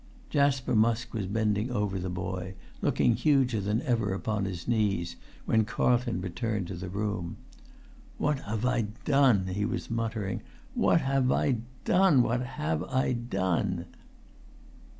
Jasper Musk was bending over the boy, looking huger than ever upon his knees, when Carlton returned to the room. "What have I done?" he was muttering. "What have I done? What have I done?"